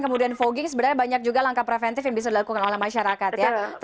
jadi selain psn dan vogi selain banyak langkah preventif yang bisa dilakukan di masyarakat ini yaitu